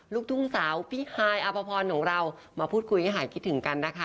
ลูกทุ่งสาวพี่ฮายอภพรของเรามาพูดคุยให้หายคิดถึงกันนะคะ